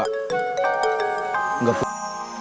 gak punya ijazah sma